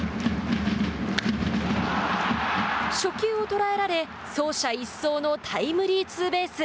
初球を捉えられ、走者一掃のタイムリーツーベース。